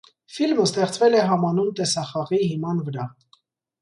Ֆիլմը ստեղծվել է համանուն տեսախաղի հիման վրա։